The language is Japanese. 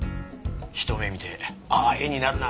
ひと目見てああ絵になるなあって。